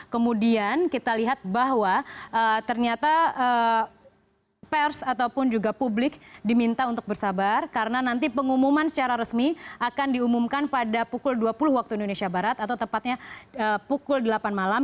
kemudian kita lihat bahwa ternyata pers ataupun juga publik diminta untuk bersabar karena nanti pengumuman secara resmi akan diumumkan pada pukul dua puluh waktu indonesia barat atau tepatnya pukul delapan malam